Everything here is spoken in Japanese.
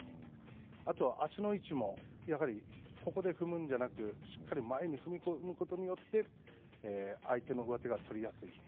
あと足の位置も、ここで踏むんじゃなくしっかり前に踏み込むことによって、相手の上手が取りやすい。